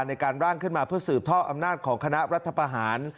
ในการร่างขึ้นมาเพื่อสืบทอดอำนาจของคณะรัฐประหาร